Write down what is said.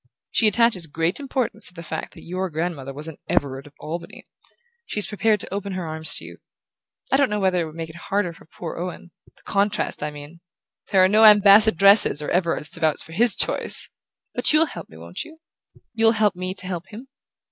She attaches great importance to the fact that your grandmother was an Everard of Albany. She's prepared to open her arms to you. I don't know whether it won't make it harder for poor Owen ... the contrast, I mean...There are no Ambassadresses or Everards to vouch for HIS choice! But you'll help me, won't you? You'll help me to help him?